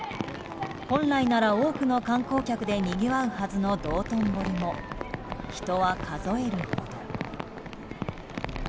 本来なら、多くの観光客でにぎわうはずの道頓堀も人は、数えるほど。